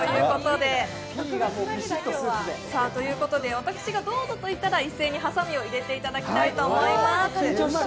私がどうぞと言ったら一斉にはさみを入れていただきたいと思います。